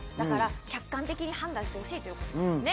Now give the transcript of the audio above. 客観的に判断してほしいということですね。